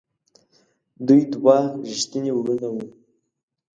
دوی دوه ریښتیني وروڼه وو.